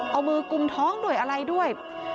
เอามือกุมท้องด้วยอะไรด้วย